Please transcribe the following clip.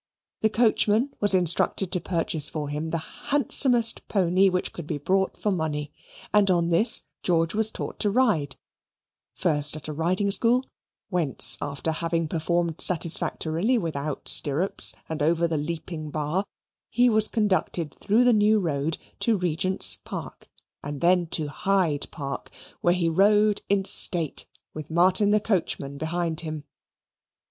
The coachman was instructed to purchase for him the handsomest pony which could be bought for money, and on this George was taught to ride, first at a riding school, whence, after having performed satisfactorily without stirrups, and over the leaping bar, he was conducted through the New Road to Regent's Park, and then to Hyde Park, where he rode in state with Martin the coachman behind him.